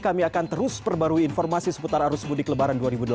kami akan terus perbarui informasi seputar arus mudik lebaran dua ribu delapan belas